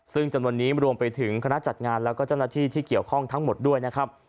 ซึ่งจนวันนี้รวมไปถึงคณะจัดงานแล้วก็เจ้าหน้าที่ที่เกี่ยวข้องทั้งหมดด้วยนะครับ